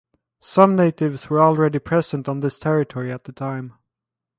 Some natives were already present on this territory at the time.